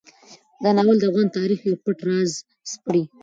دا ناول د افغان تاریخ یو پټ راز سپړي.